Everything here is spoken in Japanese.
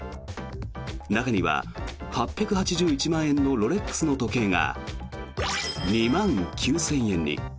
中には８８１万円のロレックスの時計が２万９０００円に。